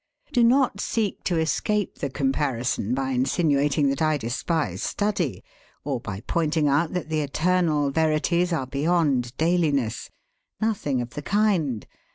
Do not seek to escape the comparison by insinuating that I despise study, or by pointing out that the eternal verities are beyond dailiness. Nothing of the kind!